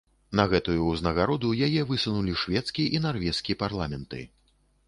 На гэтую ўзнагароду яе высунулі шведскі і нарвежскі парламенты.